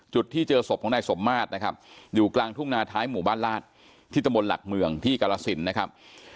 จุดที่เจอศพของนายสมมาตรนะครับอยู่กลางทุ่งนาท้ายหมู่บ้านราชที่ตะมนต์หลักเมืองที่กรสินนะครับ